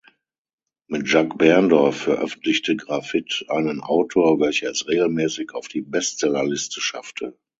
Mit Jaques Berndorf veröffentlichte Grafit einen Autor, welcher es regelmäßig auf die Bestsellerliste schaffte.